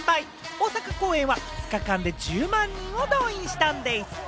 大阪公演は２日間で１０万人を動員したんでぃす。